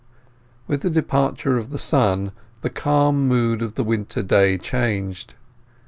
With the departure of the sun the calm mood of the winter day changed.